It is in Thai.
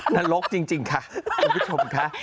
นรกจริงค่ะคุณผู้ชมค่ะ